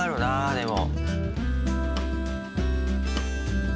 でも。